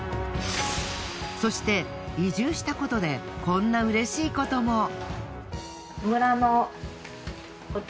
そして移住したことでこんなうれしいことも。